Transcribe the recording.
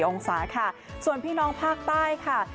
องศาค่ะส่วนพี่น้องภาคใต้ค่ะ